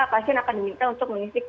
pasien akan diminta untuk mengisi